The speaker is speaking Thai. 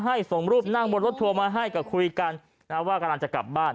ส่งรูปนั่งบนรถทัวร์มาให้ก็คุยกันนะว่ากำลังจะกลับบ้าน